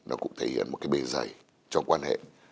nó cũng thể hiện một cái bề dày trong quan hệ